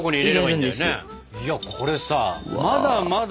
いやこれさまだ